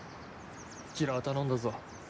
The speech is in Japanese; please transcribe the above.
ギラは頼んだぞ。